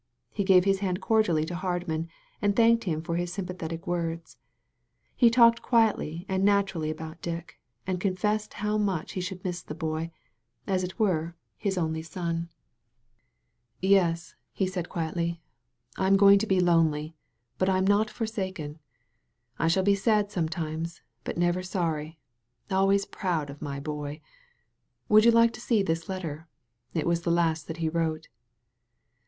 He gave his hand cordially to Hardman and thanked him for his sympathetic words. He talked quietly and naturally about Dick, and confessed how much he should miss the boy — ^as it were, his only son. 205 THE VALLEY OF VISION Yes," he said quietly. " I am going to be lonely, but I am not forsaken. I shall be sad sometimes, but never sorry — always proud of my boy. Would you like to see this letter? It is the last that he wrote."